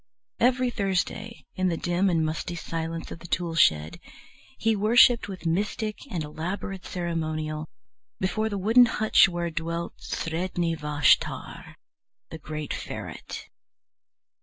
Every Thursday, in the dim and musty silence of the tool shed, he worshipped with mystic and elaborate ceremonial before the wooden hutch where dwelt Sredni Vashtar, the great ferret.